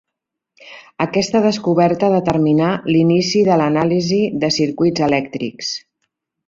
Aquesta descoberta determinà l'inici de l'anàlisi de circuits elèctrics.